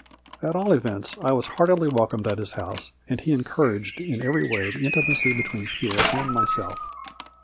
At all events, I was heartily welcomed at his house, and he encour aged in every way the intimacy between Pierre and myself.